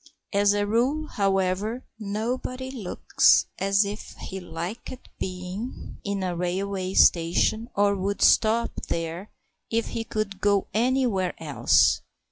As a rule, however, nobody looks as if he liked being in a railway station or would stop there if he could go anywhere else.